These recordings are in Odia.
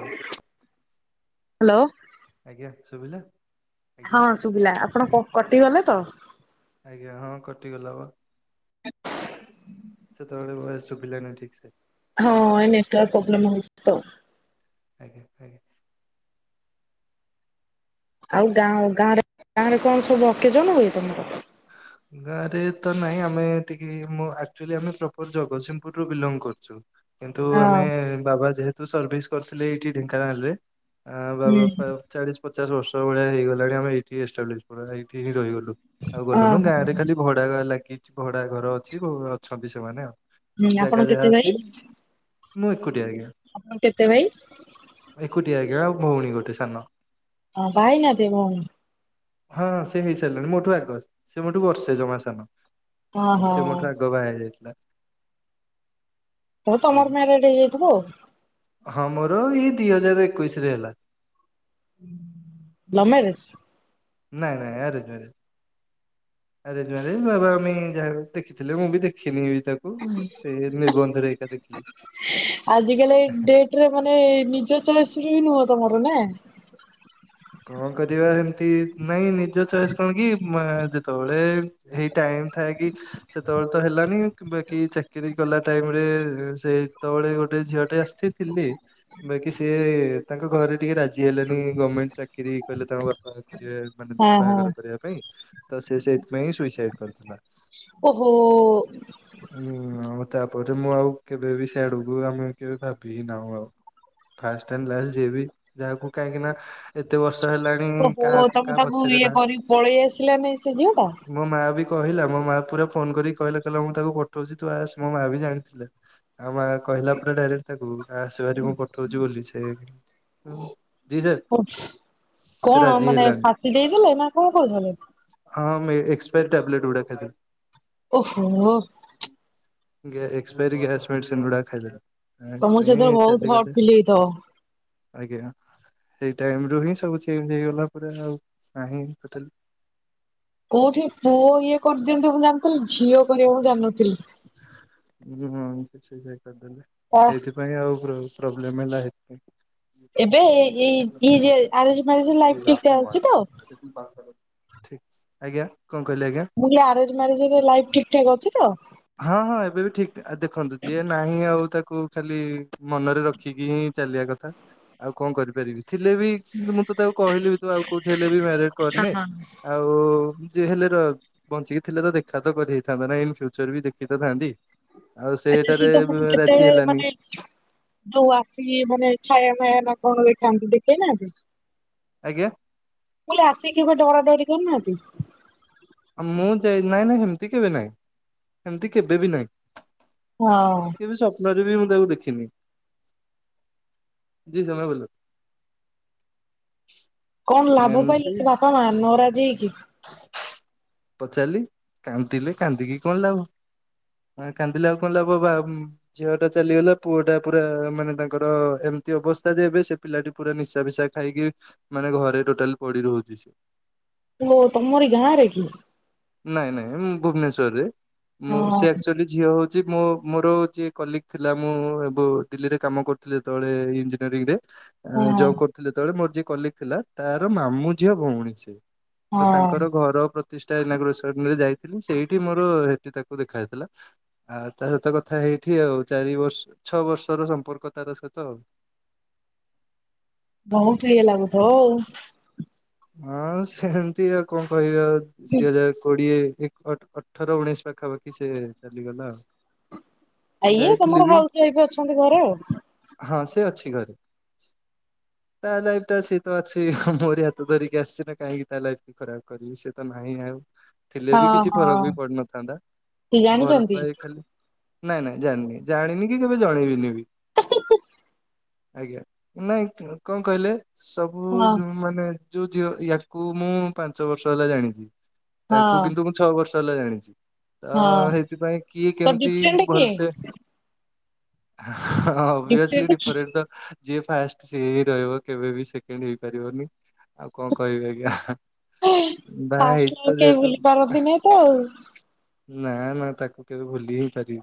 ଲୋ ହ୍ୟାଲୋ। ଆଜ୍ଞା ଶୁଭିଲା? ଆଜ୍ଞା ହଁ ଶୁବିଲା ଆପଣ କ କଟିଗଲେ ତ? ଆଜ୍ଞା ହଁ କଟିଗଲା ପା। ତୋବୋଳେ ଭଏସ ଶୁବିଲାନି ଠିକସେ। ହଁ ଏଇ ନେଟୱର୍କ ପୋବ୍ଲେମ ହୋଉଚି ତ। ଆଜ୍ଞା ଆଜ୍ଞା। ଆଉ ଗାଁ ଗାଁରେ ଗାଁରେ କଣ ସବୁ ଅକେଜନ୍ ହୁଏ ତମର? ଗାଁ ରେ ତ ନାହିଁ ଆମେ ଟିକେ ମୋ ଆକ୍ଚୋଲି ଆମେ ପ୍ରପର ଜଗସିଂହପୁରରୁ ବିଲଙ୍ଗ କରୁଚୁ। କିନ୍ତୁ ହଁ ଆମେ ବାବା ଯେହେତୁ ସର୍ଭିସ୍ କରିଥିଲେ ଏଇଠି ଢେଙ୍କାନାଳରେ ଆଁ ବାବା ହୁଁ ଫା ଚାଳିଶ ପଚାଶ ବର୍ଷ ଭଳିଆ ହେଇଗଲାଣି ଆମେ ଏଇଠି ଏଷ୍ଟାବ୍ଲିଶ୍ ପୁରା ଏଇଠି ହିଁ ରହିଗଲୁ ଆଉ ଗଲୁନୁ ଓହୋ ଗାଁରେ ଖାଲି ଭଡା ଘ ଲାଗିଛି ଭଡା ଘର ଅଛି ଭ ଅଛନ୍ତି ସେମାନେ ଆଉ। ହୁଁ ଆପଣ ଜାଗା ଯାହା କେତେ ଭାଇ ଅଛି ମୁଁ ଏକୁଟିଆ ଆଜ୍ଞା। ଆପଣ କେତେ ଭାଇ? ଏକୁଟିଆ ଆଜ୍ଞା ଆଉ ଭୋଉଣୀ ଗୋଟେ ସାନ। ହଁ ବାହା ହେଇନାହାନ୍ତି ଭୋଉଣୀ? ହଁଁ ହଁ ସିଏ ହେଇସାରିଲାଣି ମୋଠୁ ଆଗ ସେ ମୋଠୁ ବର୍ଷେ ଜମା ସାନ ଓହୋ। ସେ ମୋ ଠୁ ଆଗ। ଆଗ ବାହା ହେଇଯାଇଥିଲା। [unintelligible] ତମର ଆଜ୍ଞା ମ୍ୟାରେଡ ହେଇଯାଇଥିବ ଆଉ। ହଁ ମୋରୋ ଏଇ ଦି ହଜାରେ ଏକୋଉଶି ରେ ହେଲା। Love marriage? ନାଇଁ ନାଇ ଆରେଜ ମ୍ୟାରେଜ୍। ଆରେଜ ମ୍ୟାରେଜ ବାବା ମମି ଯାହାକୁ ଦେଖିଥିଲେ ମୁଁ ବି ଦେଖିନିବି ତା କୁ ସେଇ ନିର୍ବନ୍ଧରେ ଏକା ଦେଖିଲି। ହେଲେ ମାନେ ନିଜ ଚଏସ୍ ବି ନୁହଁ ତମର ନା? କଁ କରିବା [unintelligible] ନ୍ତି ନାଇଁ ନିଜ ଚଏସ୍ କଣ କି ମା ଯେତୋବୋଳେ ହେଇ ଟାଇମ୍ ଥାଏ କି ସେତୋବୋଳେ ତ ହେଲାନି। କି ବାକି ଚାକିରୀ କଲା ଟାଇମରେ ସେଇତୋବୋଳେ ଗୋଟେ ଝିଅ ଟେ ଆସିଥିଲି ବାକି ସିଏ ତାଙ୍କ ଘରେ ଟିକେ ରାଜ ଜି ହେଲେଣିି ଗମେଣ୍ଟେ ଚାକିରି କହିଲେ ତାଙ୍କ ବାପା କରିବେ ମାନେ ହଁ ହଁ। ବାହାଘର କରିବା ପାଇଁ। ତ ସିଏ ସେଥିପାଇଁ ସୁଇସାଇଟ୍ କରିଥିଲା। ଓହୋ। ହୁଁ ଆଉ ତାପରେ ମୁଁ ଆଉ କେବେ ବି ସିୟାଡୁକୁ ଆମେ କେବେ ଭାବି ହିଁ ନାହୁଁ ଆଉ। ଫାଷ୍ଟ ଆଣ୍ଡ ଲାଷ୍ଟ ଯିଏବି ଯାହାକୁ କାହିଁକି ନା ଏତେ ବର୍ଷ ହେଲାଣି ଓହୋ କାହାକୁ ତମେ କାହା ତାକୁ ପଛରେ ଇଏ ନା କରି ପଳେଇ ଆସିଲା ନେଇ ସେ ଝିଅ ଟା। ମୋ ମା ବି କହିଲା ମୋ ମା ପୁରା ଫୋନ୍ କରିକି କହିଲା କହିଲା ମୁଁ ତାକୁ ପଠୋଉଚି ତୁ ଆସ ମୋ ମା ବି ଜାଣିଥିଲା। ଆଉ ମା କହିଲା ପୁରା ଡାଇରେକ୍ଟ ତାକୁ। ଆସେଭାରି ମୁଁ ପଠୋଉଚି ବୋଲି ସେ ଜି ସାର୍। କନ୍ ସେ କଣ ରାଜି ମାନେ ହେଲାନି ଫାଶୀ ଦେଇଦେଲେ ନା କଣ କରିଦେଲେ। ହଁ ମେ ଏକ୍ସପାରି ଟ୍ୟାବଲେଟ୍ ଗୁଡା ଖାଇଦେ ଓହୋ। ଗେ ଏକ୍ସପାରି ଗ୍ୟାସ୍ ମେଡ଼ିସିନ୍ ଗୁଡ଼ା ଖାଇଦେଲେ। ତମୁକୁ ସେଦିନ ବୋହୁତୁ ହଟ୍ ଫିଲ୍ ହେଇଥବା। ଆଜ୍ଞା। ଟାଇମ୍ ରୁ ହିଁ ସବୁ ଚେଞ୍ଜ ହେଇଗଲା ପୁରା ଆଉ ନାହିଁ ଟୋଟାଲୀ। କୋଉଠି ପୁଅ ଇଏ କରିଦିଅନ୍ତି ମୁଁ ଜାଣିଥିଲି ଝିଅ କରିବ ମୁଁ ଜାଣିନଥିଲି। ହୁଁ ମୁଁ କିଛି ଆ ଯାଇପାରିଥାନ୍ତି ଏଇଥି ନାହିଁ ଆଉ ପ୍ରୋବଲେମ୍ ହେଲା। ଏବେ ଏଇ ଯେ ସେଥିପାଇଁ। ଆର ମାରିଜ ଲାଇଫ ଠିକ ଅଛି ତ। ଠିକ୍ ଆଜ୍ଞା କଣ କହିଲି ଆଜ୍ଞା? ମୁ ଆରେଞ୍ ମ୍ୟାରେଜ ରେ ଲାଇପ୍ ଠିକ୍ ଠାକ୍ ଅଛି ତ? ହଁ-ହଁ ଏବେ ବି ଠିକ୍ ଦେଖନ୍ତୁ ଯିଏ ନାହିଁ ଆଉ ତାକୁ ଖାଲି ମନରେ ରଖିକି ହିଁ ଚାଲିବା କଥା ଆଉ କଣ କରିପାରିବି ଥିଲେ ବି କିନ୍ତୁ ମୁଁ ତ ତାକୁ କହିଲି ତୁ ଆଉ କୋଉି ହେଲେ ବି ମ୍ୟାରେଜ୍ କରିନେ। ଆଉ ଜେ ହେଲେ ର ବଞ୍ଚିକି ଥିଲେ ତ ଦେଖା ତ କରି ହେଇଥାନ୍ତା ନା ଇନ ଫ୍ୟୁଚର ବି ଦେଖି ତଥାନ୍ତି। ଆଉ ଆଚ୍ଛା ସିଏ ସେଠାରେ ତମକୁ ରାଜି କେତେବେଳେ ହେଲାନି। ମାନେ ଯୋଉ ଆସିକି ମାନେ ଛାୟା ମାୟା ନା କଣ ଦେଖାନ୍ତି ଦେଖେଇନାହାନ୍ତି। ଆଜ୍ଞା। ମଲା ଆସିକି କେବେ ଡରାଡରି କରୁନାହାନ୍ତି। ମୁଁ ଯାଇ ନାଇଁ ନାଇଁ ସେମତି କେବେ ନାଇଁ ସେମିତି କେବେ ବି ନାଇଁ। ହଁ। କେ ବି ସ୍ୱପ୍ନରେ ବି ମୁଁ ତାକୁ ଦେଖିନି। ଜୀ ସମୟ ବୋଲ। କଣ ଲାଭ ପାଇଲେ ଏମିତି ସେ ବାପା ମାଆ ନରାଜି ହେଇକି ପଚାରିଲି କାନ୍ଦିଲେ କାନ୍ଦିକି କଣ ଲାଭ। ହଁ କାନ୍ଦିଲା ଆଉ କଣ ଲାଭ ବା ଝିଅ ଟା ଚାଲିଗଲା ପୁଅଟା ପୁରା ମାନେ ତାଙ୍କର ଏମିତି ଅବସ୍ଥା ଯେ ଏବେ ସେ ପିଲାଟି ପୁରା ନିଶା ଫିସା ଖାଇକି ମାନେ ଘରେ ଟୋଟାଲ ପଡି ରହୁଛି ସେ। ପିଲେ ତମରି ଗାଁରେ କି। ନାଇଁ ନାଇଁ ମୁଁ ଭୁବନେଶ୍ଵରରେ ମୁଁ ହଁ ସେ ଆକ୍ ଶ୍ଚୁଆଲି ଝିଅ ହଉଛି ମୋ ମୋର ଯିଏ କଲିକ ଥିଲା ମୁଁ ଏ ଦିଲ୍ଲୀରେ କାମ କରୁଥିଲି। ଯେତେବେଳେ ଇଞ୍ଜିନିୟରିଂ ରେ ହଁ ଜବ୍ କରୁଥିଲେ ଯେତେବେଳେ ମୋର ଯିଏ କଲିକ ଥିଲା ତାର ମାମୁଁ ଝିଅ ଭଉଣୀ ସିଏ। ତ ହଁ ତାଙ୍କର ଘର ପ୍ର ରେ ଏନାଗ୍ରୋସନରେ ଯାଇଥିଲି ସେଇଠି ମୋର ସେଠି ତାକୁ ଦେଖାଯାଇଥିଲା। ଆଉ ତା ସହିତ କଥା ହେଇଠି ଆଉ ଚାରି ବର୍ଷ ଛଅ ବର୍ଷର ସମ୍ପର୍କ ତାର ସହିତ ଆଉ। ବହୁତ ଏ ଲାଗୁଥିବ ଆଉ। ହଁ ସେମତି ଆଉ କଣ କହିବ ଆଉ ଦିଇ ହଜାର କୋଡିଏ। ଅଠର ଉଣେଇଶ ପାଖାପାଖି ସେ ଚାଲିଗଲା ଆଉ। ଆଇଏ ଯାଇଥିଲି ତମର ବି ହାଉସ ୱାଇଫ୍ ଅଛନ୍ତି ଘରେ ଆଉ। ହଁ ସେ ଅଛି ଘରେ ତା ଲାଇଫ ଟା ସେ ତ ଅଛି ମୋରି ହା ତ ଧରିକି ଆସିଛି ନା କାହିଁକି ତା ଲାଇଫ ଖରାପ କରିବି ସେ ତ ନାହିଁ ଆଉ। ଥିଲେ ବି ହଁ କିଛି ହଁ ଫରକ ବି ପଡନଥାନ୍ତା ସେ ଭଲ ଜାଣିଛନ୍ତି ପାଏ ଖାଲି। ନାଇଁ ନାଇଁ ଜାଣିନି ଜାଣିନି କି କେବେ ଜଣେଇବିନି ବି। ଆଜ୍ଞା ନାଇଁ କଣ କହିଲେ ହଁ ସବୁ ମାନେ ଯୋଉ ଝିଅ ୟାକୁ ମୁଁ ପାଞ୍ଚ ବର୍ଷ ହେଲା ଜାଣିଚି ହଁ ତାକୁ କିନ୍ତୁ ମୁ ଛଅ ବର୍ଷ ହେଲା ଜାଣିଚି ତ ହଁ ସେଇଥିପାଇଁ କିଏ ତ କେମିତି ଡିଫରେଣ୍ଟ କିଏ ଭଲସେ ହଁ ଓଭିିଅସଲି ଡିଫରେଣ୍ଟ ଡିଫରେଟ ତ ଯିଏ ଫାଷ୍ଟ ସିଏ ରହିବ କେବେ ବି ସେକେଣ୍ଡ ହେଇପାରିବନି। ଆଉ କଣ କହିବି ଆଜ୍ଞା ବା ଫାଷ୍ଟ ହେଇଛି ଆଉ ତ କେହି ଯେହେତୁ ଭୁଲି ପାରନ୍ତିନି ତ ଆଉ ନା ନା ତାକୁ କେବେ ଭୁଲି ହେଇପାରିବି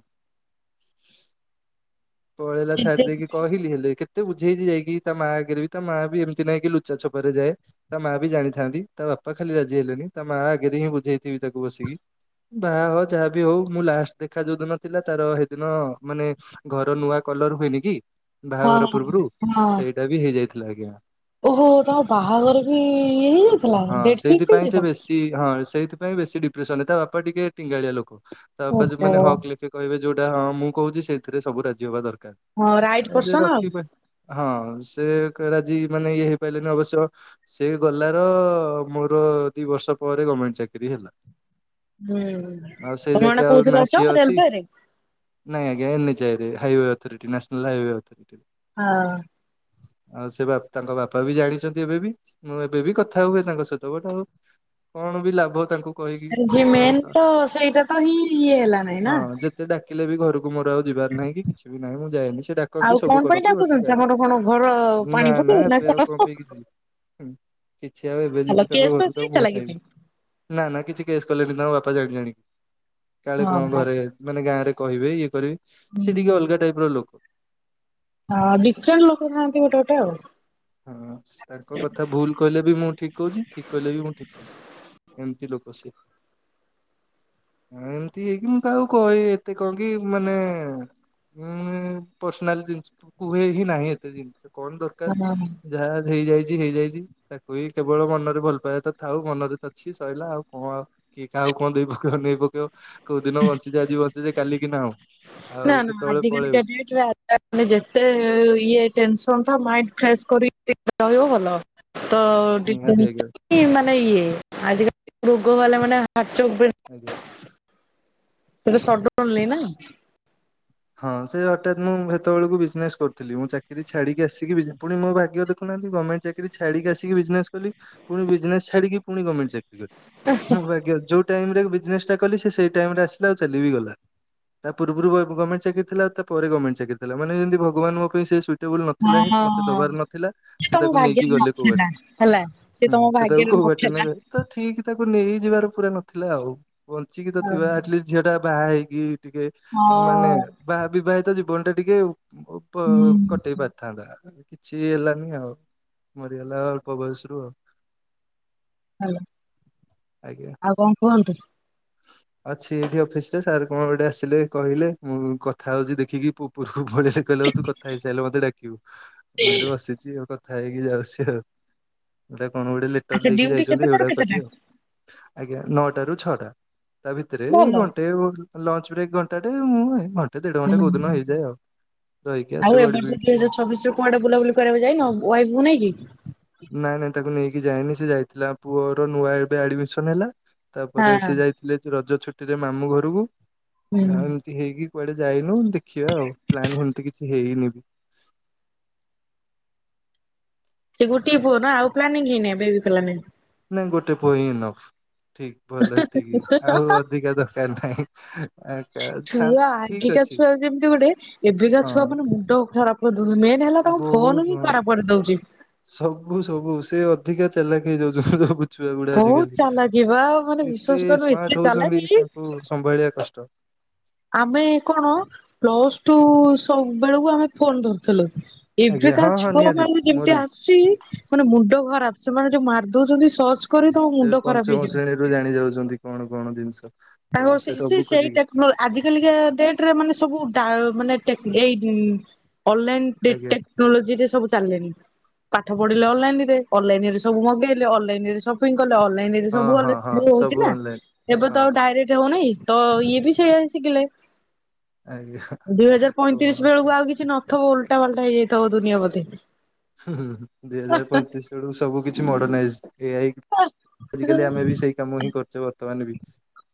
ପଳେଇଲା ଛାଡି ଜେଜେ ଦେଇେଇକି କହିଲି ହେଲେ କେତେ ଏତେବୁଝେଇଛି ଯାଇକି ତା ମାଆ ଆଗରେ ବି ତା ମା ବି ଏମିତିଇଁ କି ଲୁଚାଛପାରେ ଯାଏ। ତା ମା ବି ଜାଣିଥାନ୍ତି ତା ବାପା ଖାଲି ରାଜି ହେଲେନି ତା ମା ଆଗରେ ହିଁ ବୁଝେଇଥିବି ତାକୁ ବସିକି। ବାହା ହ ଯାହାବି ହଉ ମୁଁ ଲାଷ୍ଟ ଦେଖା ଯୋଉ ଦିନ ଥିଲା ତାର ସେଇଦିନ ମାନେ ଘର ନୂଆ କଲର ହୁଏନି କି, ବାହାଘର ହଁ ପୂର୍ବରୁ ହଁ ସେଇଟା ବି ହେଇଯାଇଥିଲା ଆଜ୍ଞା। ଓହୋ ତମ ବାହାଘର ବି ଇଏ ହେଇଯାଇଥିଲା, ହଁ ଡେଟ୍ ଫିକ୍ସ ସେଇଥିପାଇଁ ସେ ହେଇଯାଇଥିଲା। ବେଶୀ ହଁ ସେଇଥିପାଇଁ ବେଶୀ ଡିପ୍ରେସନ ରେ ତା ବାପା ଟିକେ ଟିଙ୍ଗାଳିଆ ଲୋକ। ତା ବାପା ଓହୋ ଯଉ ହଁ କହିଲେ କି କହିବେ ଯୋଉଟା ହଁ ମୁଁ କହୁଛି ସେଇଥିରେ ସବୁ ରାଜି ହବା ଦରକାର। ହଁ ରାଇଟ ଆଉ ସେ ପର୍ସନ ରଖିବା ହଁ ସେ ରାଜି ମାନେ ଇଏ ହେଇପାରିଲେନି ଅବଶ୍ୟ ସେ ଗଲାର ମୋର ଦି ବର୍ଷ ପରେ ଗମେଣ୍ଟ ଚାକିରୀ ହେଲା। ହୁଁ ଆଉ ସେଇ ତମେ ମାନେ ଯାକେ ନା ଆଉ କୋଉଥିରେ ନା ଅଛ ସିଏ ଅଛି ରେଲୱେରେ ନାଇଁ ଆଜ୍ଞା ଏନଚଆଇରେ highway authority national highway authority. ହଁ। ଆଉ ସେ ବା ତାଙ୍କ ବାପା ବି ଜାଣିଛନ୍ତି ଏବେ ବି। ମୁଁ ଏବେ ବି କଥା ହୁଏ ତାଙ୍କ ସହିତ। ବଟ୍ ଆଉ କଣ ବି ଲାଭ ତାଙ୍କୁ କହିକି ଆରେ ଯିଏ ଯେତେବେଳେ ମେନ୍ ତ ସେଇଟା ତ ହିଁ ଇଏ ହେଲା ନାଇଁ ନା। ସେ ଡାକିଲେ ବି ଘରକୁ ମର ଆଉ ଯିବାର ନାହିଁ କି କିଛି ବି ନାହିଁ ମୁଁ ଯାଏନି। ସେ ଡାକନ୍ତି ଆଉ ସବୁ କଣ ପାଇଁ କରନ୍ତି ବଟ୍ ମୁଁ ଡାକୁଛନ୍ତି ଯାଏନି। ଆମର କଣ ଘର ନା ପାଣି ନା ପକେଇବେ ଏବେ ଆଉ କଣ ପେଇଁ ବି ଯିବି। କିଛି ଆଉ ଏବେ ଭଲ ଯିବି ତାଙ୍କ କେସ୍ ଘରୁକୁ ଫେସ୍ ତା ମୁହଁ ହେଇଥିଲା କିଛି? ଚାହିଁବିନି। ନା ନା କିଛି କେସ୍ କଲେନି ତାଙ୍କ ବାପା ଜାଣି ଜାଣି। କାଳେ ହଁ। କଣ ହଁ। ଘରେ ମାନେ ଗାଁ ରେ କହିବେ ଇଏ କରିବେ। ହୁଁ ସେ ଟିକେ ଅଲଗା ଟାଇପ ର ଲୋକ। ହଁ ଡିଫରେଣ୍ଟ ଲୋକ ଥାଆନ୍ତି ଗୋଟେ ଗୋଟେ ଆଉ। ହଁ, ତାଙ୍କ କଥା ଭୁଲ କହିଲେ ବି ମୁଁ ଠିକ୍ କହୁଚି ଠିକ୍ କହିଲେ ବି ମୁଁ ଠିକ୍ କହୁଚି। ଏମିତି ଲୋକ ସିଏ। [inaudible] ଏମତି ହେଇକି ମୁଁ କାହାକୁ କହିବି ଏତେ କଣ କି ମାନେ ଉଁ ପର୍ସନାଲ ଜିନିଷ କୁହେ ହିଁ ନାହିଁ ଏତେ ଜିନିଷ କଣ ଦରକାର। ହଁ। ଯାହା ହେଇଯାଇଚି ହେଇଯାଇଚି ତାକୁ ବିି କେବଳ ମନରେ ଭଲ ପାଇବା ତ ଥାଉ। ମନରେ ତ ଅଛି ସରିଲା ଆଉ କଣ ଆଉ। କିଏ କାହାକୁ କଣ ଦେଇ ପକେଇବ ନେଇ ପକେଇବ କୋଉ ଦିନ ବଞ୍ଚିଚେ ଯଦି ବଞ୍ଚିଚେ କାଲିକି ନାହୁଁ। ନା ଆଉ ନା କେତେବେଳେ ପଳେଇବୁ। [unintelligible] ମାନେ ଯେତେ ଇଏ ଟେନସନ୍ ଥାଉ, ମାଇଣ୍ଡ ଫ୍ରେଶ କରି ରହିବ ଭଲ। ତ। ନିହାତି [unintelligible] ଆଜ୍ଞା ମାନେ ଇଏ। ଆଜିକାଲି ରୋଗ ବାଲା ମାନେ ହାର୍ଟ ଚୋକ ଆଜ୍ଞା। ସେଟା ସଡନଲି ନା। ହଁ ସେ ହଠାତ୍ ମୁଁ ସେତେବେଳକୁ ବିଜନେସ କରୁଥିଲି। ମୁଁ ଚାକିରି ଛାଡିକି ଆସିକି ବି ପୁଣି ମୋ ଭାଗ୍ୟ ଦେଖୁନାହାନ୍ତି ଗମେଣ୍ଟ ଚାକି ରି ଛାଡିକି ଆସିକି ବିଜିନେସ କଲି। ପୁଣି ବିଜନେସ ଛାଡିକି ପୁଣି ଗମେଣ୍ଟ ଚାକିରି କଲି। ମୋ ଭାଗ୍ୟ ଯୋଉ ଟାଇମରେ ବିଜନେସ୍ ଟା କଲି ସେଇ ଟାଇମ ରେ ଆସିଲା ଆଉ ଚାଲି ବି ଗଲା। ତା ପୂର୍ବରୁ ବା ଗମେଣ୍ଟ ଚାକିରି ଥିଲା ତା ପରେ ଗମେଣ୍ଟ ଚାକିରିଥିଲା। ମାନେ ଯେମତି ଭଗବାନଙ୍କ ପାଇଁ ସେ ସୁ ଟେବଲ ନଥିଲା ହିଁ ମତେ ହଁ। ଦବାର ନଥିଲା। ସେ ତମ ତାକୁ ନେଇକି ଭାଗ୍ୟରେ ଗଲେ କୋଉ ନଥିଲା ବାଟେ। ହେଲା ତମ ହୁଁ। ସେ ତାକୁ ଭାଗ୍ୟରେ କୋଉ ବାଟେ ନଥିଲା। ନେବେ ତ ଠିକ୍ ତାକୁ ନେଇ ଯିବାର ପୁରା ନଥିଲା ଆଉ। ବଞ୍ଚିକି ତ ଥିବା ଆଟଲିଷ୍ଟ ଝିଅ ଟା ବାହା ହେଇକି ଟିକେ ହଁ ମାନେ ବା ବିବାହିତ ଜୀବନ ଟା ଟିକେ ଉପ ହୁଁ କଟେଇ ପାରିଥାନ୍ତା। କିଛି ହେଲାନି ଆଉ ମରିଗଲା ଅଳ୍ପ ବୟସ ରୁ ଆଉ। ହ୍ୟାଲୋ। ଆଜ୍ଞା। ଆଉ କଣ କୁହନ୍ତୁ? ଅଛି ଏଇଠି ଅଫିସ ରେ ସାର୍ କଣ ଗୋଟେ ଆସିଲେ କହିଲେ, ମୁଁ କଥା ହଉଛି ଦେଖିକି ଉପରକୁ ପଳେଇଲେ। କହିଲେ ତୁ କଥା ହେଇସାରିଲେ ମତେ ଡାକିବୁ। ମୁଁ ଏଇଠି ବସିଚି ଆଉ। କଥା ହେଇକି ଯାଉଚି ଆଉ। ଏଟା କଣ ଗୋଟେ ଲେଟର ଆଚ୍ଛା ଦେଇକି ଡ୍ୟୁଟି ଯାଇଛନ୍ତି କେତେଟାରୁ ଏଇଗୁଡାକ କେତେଟା? କରିବି ଆଉ। ଆଜ୍ଞା, ନଅଟା ରୁ ଛଅଟା। ତା ଭିତରେ ଭଲ। ଏଇ ଘଣ୍ଟେ ଲଞ୍ଚ ବ୍ରେକ୍ ଘଣ୍ଟା ଟେ। ମୁଁ ଏଇ। [unintelligible] ଘଣ୍ଟେ ଦେଢ ହୁଁ ଘଣ୍ଟା କୋଉ ଦିନ ହେଇଯାଏ ଆଉ। ରହିକି ଆଉ ଆସୁ ଏ ବର୍ଷ ଦୁଇ [unintelligible] ଆଉ। ହଜାର ଛବିଶରେ କୁଆଡେ ବୁଲା ବୁଲି କରିବାକୁ ଯାଇନ ୱାଇଫକୁ ନେଇକି? ନାଇଁ ନାଇଁ ତାକୁ ନେଇକି ଯାଇନି ସେ ଯାଇଥିଲା ପୁଅର ନୂଆ ଏବେ ଆଡମିସନ ହେଲା ତାପରେ ହଁ। ସେ ଯାଇ ଥିଲେ ରଜ ଛୁଟିରେ ମାମୁଁ ଘରକୁ ହୁଁ ଆଉ ତି ହେଇକି କୁଆଡେ ଯାଇନୁ ଦେଖିବା ଆଉ ପ୍ଲାନ୍ ସେମିତି କିଛି ହେଇନି ବି। ସେ ଗୋଟିଏ ପୁଅ ନା ଆଉ ପ୍ଲାନିଙ୍ଗ ହେଇ ବେବି ପ୍ଲାନିଙ୍ଗ ନାଇଁ ଗୋଟେ ପୁଅ ହିଁ ଏନଫ୍। ଠିକ ଭଲ ଏତିକି ଆଉ ଅଧିକା ଦରକାର ନାହିଁ ଆଉ କା ଛା ଛୁଆ ଆଜିକା ଛୁଆ ଯେମିତି ଗୋଟେ ଏବେକା ଛୁଆ ମାନେ ମୁଣ୍ଡ ଖରାପ ମେନ୍ ହେଲା ତାଙ୍କୁ ଫୋନ ବହୁତ ହିଁ ଖରାପ ହଁ। କରି ଦଉଛି। ସବୁ ସବୁ ସେ ଅଧିକା ଚାଲାକି ହେଇଯାଉଛନ୍ତି ସବୁ। ଛୁଆ ଗୁଡା ବହୁତ ଆଜିକାଲି ଚାଲାକି ବା ମାନେ ଏତେ ବିଶ୍ଵାସ କରିବ ଏତେ ସ୍ମାର୍ଟ ହଉଛନ୍ତି ଚାଲାକି ତାଙ୍କୁ ସମ୍ଭାଳିବା କଷ୍ଟ। ଆମେ କଣ ପ୍ଲସ ଟୁ ସବୁ ବେଳକୁ ଆମେ ଫୋନ ଧରୁଥିଲୁ ଆଜ୍ଞା ହଁ ଏବେକାରା ହଁ ଛୁଆ ନିହାତି ମାନେ ମୋର ଯେମିତି ବି ଆସୁଛି ମାନେ ମୁଣ୍ଡ ଖରାପ ସେମାନେ ଯୋଉଁ ମାରିଦଉଛନ୍ତି ସ କରି ତମ ସେ ମୁଣ୍ଡ ଖରାପ ପଞ୍ଚମ ହେଇଯିବ। ଶ୍ରେଣୀରୁ ଜାଣି ଯାଉଛନ୍ତି କଣ କଣ ଜିନିଷ। ସବୁ ତାଙ୍କ ସେ ସବୁ ସେଇ ଖୋଜିକି ଟେକ ଆଜିକାଲିକା ଡେଟରେ ମାନେ ସବୁ ମାନେ ଏଇ ଅନଲାଇନ ଆଜ୍ଞା ଟେକ୍ନୋଲୋଜିରେ ସବୁ ଚାଲିଲେଣି। ପାଠ ପଢିଲେ ଅନଲାଇନ ରେ ଅନଲାଇନ ରେ ସବୁ ମଗେଇଲେ। ଅନଲାଇନ ରେ ସପିଂ କଲେ ଅନଲାଇନରେ ହଁ ସବୁ ହଁ ଗଲେ ହଁ ସବୁ ହଉଛି ନା ଅନଲାଇନ। ଏବେ ତ ହଁ ଆଉ ଡାଇରେକ୍ଟ ହଉନାହିଁ ତ ଇଏ ବି ସେଇଆ ଶିଖିଲେ। ଆଜ୍ଞା ଦୁଇ ହଜାର ପଇଁତିରିଶ କଣ ବେଳକୁ ଆଉ କିଛି ନଥିବ ଓଲଟା ଫାଲଟା ହେଇଯାଇଥିବ ଦୁନିଆ ବୋଧେ। ହୁଁ ହୁଁ ଦୁଇ ହଜାର ପଇଁତିରିଶ ବେଳ କୁ ସବୁ କିଛି ମୋର୍ଡେନାଇଜ ଏ ଆଇ ଆଜିକାଲି ଆମେ ବି ସେଇ କାମ ହିଁ କରୁଛେ ବର୍ତ୍ତମାନ ବି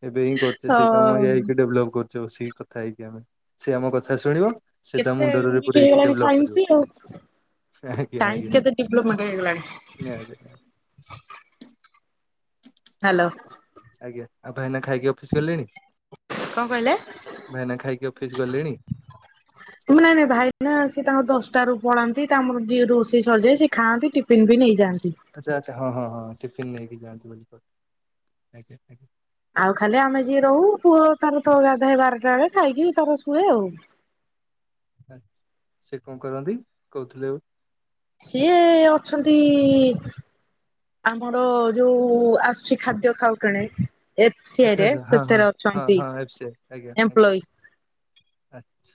ଏବେ ହିଁ ତ କରୁଛ ସେଇ କାମ ଏ ଆଇ କୁ ଡେଭଲପ କରୁ ସେଇ କଥା ହେଇକି ଆମେ ସେ ଆମ କଥା ଶୁଣିବ ସେ ତମ ମୁଣ୍ଡରେ ପୁରେଇକି ଡେଭଲପ କରିବ। ଓ ଆଜ୍ଞା ଆଜ୍ଞା ହେଇଗଲାଣି। ନିହାତି ନିହାତି। ହ୍ୟାଲୋ ଆଜ୍ଞା ଆଉ ଭାଇନା ଖାଇକି ଅଫିସ ଗଲେଣି କଣ କହିଲେ? ଭାଇନା ଖାଇକି ଅଫିସ ଗଲେଣି। [inaudible] ନାଇଁ ନାଇଁ ଭାଇନା ସିଏ ତାଙ୍କର ଦଶଟାରୁ ପଳାନ୍ତି ତାଙ୍କର ଯିଏ ରୋଷେଇ ସରିଯାଏ ସେ ଖାନ୍ତି ଟିଫନ୍ ବି ନେଇଯାଆନ୍ତି। ଆଛା ଆଛା ହଁ ହଁ ହଁ ଟିଫିନ୍ ନେଇକି ଯାଆନ୍ତୁ ବୋଲି କହୁ ଆଜ୍ଞା ଆଜ୍ଞା। ଆଉ ଖାଲି ଆମେ ଯିଏ ରହୁ ପୁଅ ତାର ତ ଗାଧାଏ ବାରଟା ବେଳେ ଖାଇକି ତାର ଶୁଏ ଆଉ। ସେ କଣ କରନ୍ତି କହୁଥିଲେ ସିଏ ଅଛନ୍ତି ଆମର ଯୋଉଁ ଆସୁଛି ଖାଦ୍ୟ ଖାଉଟେଣି। ଏଫ ସି ଆଚ୍ଛା ଆଇ ରେ ଆଚ୍ଛା ହଁ ହଁ ସେଥିରେ ହଁ ଅଛନ୍ତି ହଁ ଏଫ୍ ସି ଏପ୍ଲୋଇ। ଆଛା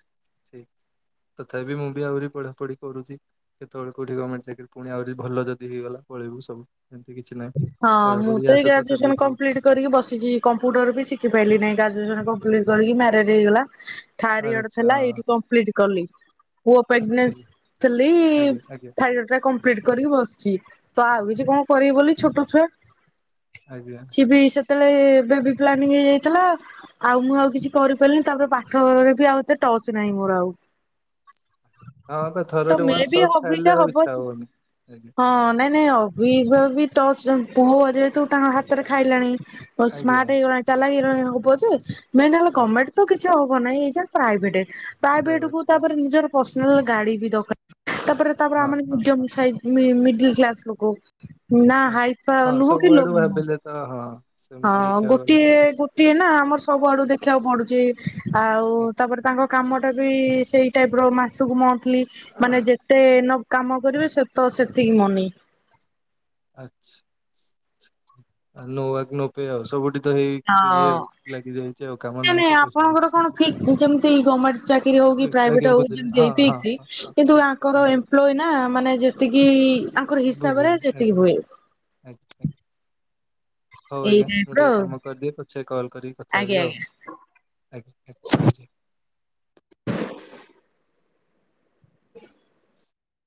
ଠିକ ତଥାପି ମୁଁ ବି ଆହୁରି ପଢାପଢି କରୁଚି। କେତେବେଳେ କୋଉଁଠି ଗମେଣ୍ଟ ଚାକିରୀ ପୁଣି ଆହୁରି ଭଲ ଯଦି ହେଇଗଲା ପଳେଇବୁ ସବୁ। ଏମିତି କିଛି ନାହିଁ ହଁ ମୁଁ ପଢାପଢି ତ ଆ ଏଇ ସହିତ ଗ୍ରାଜୁଏସନ ଚଲେଇଚୁ। କମ୍ପ୍ଲିଟ କରିକି ବସିଛିି। କମ୍ପୁଟର ବି ଶିଖି ପାରିଲି ନାଇଁ ଗ୍ରାଜୁଏସନ କଂପ୍ଲିଟ୍ କରିକି ମ୍ୟାରେଡ୍ ହେଇଗଲା। ଥାର୍ଡୟର ଆଚ୍ଛା ଥିଲା ଏଇଠି କମ୍ପ୍ଲିଟ୍ କଲି। ପୁଅ ପିଗ୍ନେସ୍ ବୁଝି- ଥିଲି। ଆଜ୍ଞା ଆଜ୍ଞା ଆଜ୍ଞା ଥାଇରଡ୍ ଟା କମ କଂପ୍ଲିଟ୍ କରିକି ବସଚି। ତ ଆଉ କିଛି କଣ କରିବି ବୋଲି ଛୋଟ ଛୁଆ ଆଜ୍ଞା ସେ ଆଜ୍ଞା। ବି ସେତେବେଳେ ଏ ବେବି ପ୍ଲାନିଂ ହେଇଯାଇଥିଲା। ଆଉ ମୁଁ ଆଉ କିଛି କରିପାରିନି ତାପରେ ପାଠରେ ବି ଆଉ ଏତେ ଟଚ୍ ନାହିଁ ମୋର ଆଉ। ହଁ ବା ତ ଥରଟେ ମେ ୱାନ୍ସ ବି ସଟ୍ ଛାଡ଼ିଲେ ଅବିକା ଆଉ ହବ ଇଚ୍ଛା ହବନି ଆଜ୍ଞା ହଁ ନାଇଁ ନାଇଁ ଅବିକା ବି ଟଚ ପୁଅ ଯେହେତୁ ତାଙ୍କ ହାତରେ ଖାଇଲାଣି ଆଜ୍ଞା ସ୍ମାର୍ଟ ଆଜ୍ଞା ହେଇଗଲାଣି। ଚାଲାକି ହେଇଗଲାଣି ମୋ ପୁଅ ଯେ ନାଇଁ ନାଇଁ ଆଜ୍ଞା ଗମେଣ୍ଟ ତ କିଛି ହବ ନାହିଁ ଏଇଯା ପ୍ରାଇଭେଟ। ପ୍ରାଇଭେଟ ପ୍ରାଇଭେଟ୍ କୁ ତାପରେ ଆଜ୍ଞା ନିଜର ପର୍ସନାଲ ଗାଡ଼ି ବି ଦରକାର ତାପରେ ତାପରେ ହଁ ଆମେ ହଁ ନିଜ ହଁ ମିଶାଇ ମିଡିଲ୍ କ୍ଲାସ ଲୋକ ନା ଆଜ୍ଞା ହାଇ ନୁହଁ ଲୋ ସବୁଆଡୁ ନୁହଁ। ଭାବିଲେ ହଁ ହଁ। ସେମିତି ହଁ ଦେଖିବାକୁ ଗଲେ ଗୋଟିଏ ତ ଗୋଟିଏ ନା ଆମର ସବୁଆଡୁ ଦେଖିବାକୁ ପଡୁଛି। ଆଉ ଆଜ୍ଞା ତାପରେ ତାଙ୍କ କାମଟା ବି ସେଇ ଟାଇପ ର ମାସକୁ ମନ୍ଥଲି ମାନେ ଯେ କେତେ ନ କାମ କରିବେ ସେ ତ ସେତିକି ମନି। ଆଚ୍ଛା। ଆଉ ନୋୱଗ ନୋପେ ଆଉ ସବୁଠିକେ ହ କାମ ନ ନାହିଁ ନାଇଁ ତ ପଇସା ବି ନାହିଁ। ଆପଣଙ୍କର କଣ ଫିକ୍ ଯେମିତି ଗମେଣ୍ଟ ଚାକିରି ହଉ କି ଠିକ୍ ଅଛି ଆଜ୍ଞା ପ୍ରାଇଭେଟ ହଉ ବୁଝିଲି ଯେମ୍ତି ହଁ ଏ ହଁ ପିକ୍ସି ହଁ ହଁ କିନ୍ତୁ ଆଙ୍କର ଆଜ୍ଞା ନା ମାନେ ଯେତିକି, ଆଙ୍କର ହିସାବ ରେ ବୁଝିଲି ଯେତିକି ଆଜ୍ଞା ହୁଏ। [unintelligible] ହଉ ଏଇ ଆଜ୍ଞା ଟାଇପ ମୁଁ ର ଟିକେ ଆଉ କାମ କରି ଦିଏ। ପଛେ କଲ୍ କରି କଥା ଆଜ୍ଞା ହେବି ଆଜ୍ଞା। ଆଉ। ଆଜ୍ଞା ରଖୁଚି।